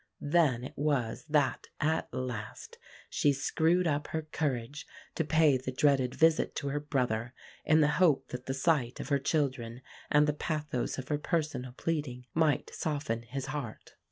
Then it was that, at last, she screwed up her courage to pay the dreaded visit to her brother, in the hope that the sight of her children and the pathos of her personal pleading might soften his heart.